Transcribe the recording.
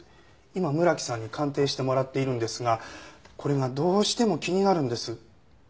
今村木さんに鑑定してもらっているんですがこれがどうしても気になるんです。